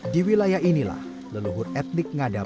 di wilayah inilah leluhur etnik ngada